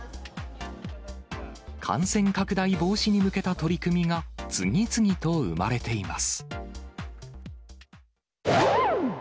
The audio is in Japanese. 感染拡大防止に向けた取り組みが、次々と生まれています。